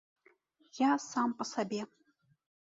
Я сам па сабе.